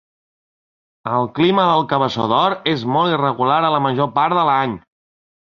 El clima del Cabeçó d'Or és molt irregular la major part de l'any.